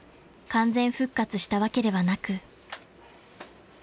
完全復活したわけではなく］